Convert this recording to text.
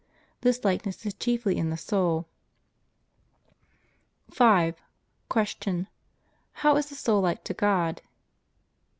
This likeness is chiefly in the soul. 5. Q. How is the soul like to God?